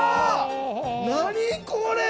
何これ！